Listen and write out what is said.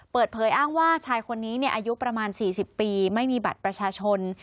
เปิดเผยอ้างว่าชายคนนี้อายุประมาณ๔๐ปีไม่มีบัตรประชาชน